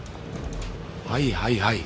はいはいはい。